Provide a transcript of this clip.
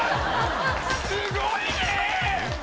すごいね！